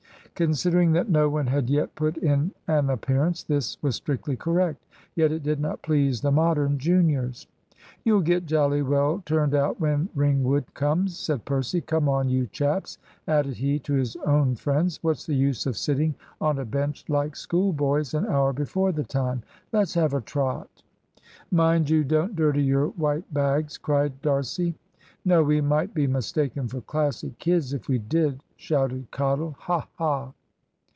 Considering that no one had yet put in an appearance, this was strictly correct. Yet it did not please the Modern juniors. "You'll get jolly well turned out when Ringwood comes," said Percy. "Come on, you chaps," added he to his own friends. "What's the use of sitting on a bench like schoolboys an hour before the time? Let's have a trot." "Mind you don't dirty your white bags," cried D'Arcy. "No, we might be mistaken for Classic kids if we did," shouted Cottle. "Ha, ha!"